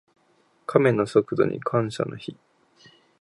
カメの速度に感謝の日。